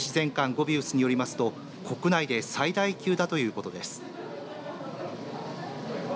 ゴビウスによりますと国内で最大級だということです。